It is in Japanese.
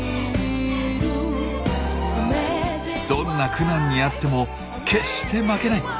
どんな苦難に遭っても決して負けない。